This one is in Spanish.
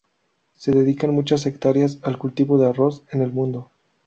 Se dedican muchas hectáreas al cultivo del arroz en el mundo.